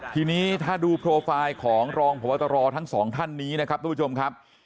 ทีนี้ถ้าดูโปรไฟล์ของรองพบตรทั้งสองท่านนี้นะครับทุกผู้ชมครับ